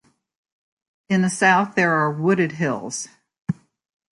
In the south there are wooded hills.